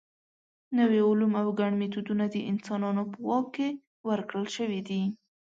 نوي علوم او ګڼ میتودونه د انسانانو په واک کې ورکړل شوي دي.